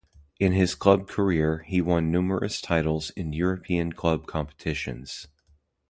In his club career, he won numerous titles in European club competitions.